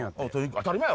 当たり前や！